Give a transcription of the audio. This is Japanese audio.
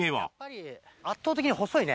圧倒的に細いね。